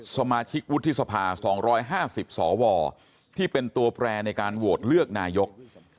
สมาชิกวุฒิสภา๒๕๐สวที่เป็นตัวแปรในการโหวตเลือกนายก